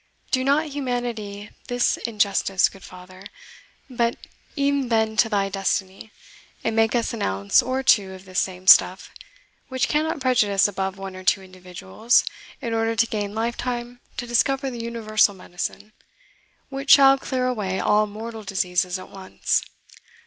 Do not humanity this injustice, good father, but e'en bend to thy destiny, and make us an ounce or two of this same stuff; which cannot prejudice above one or two individuals, in order to gain lifetime to discover the universal medicine, which shall clear away all mortal diseases at once.